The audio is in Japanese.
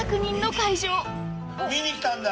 見に来たんだ！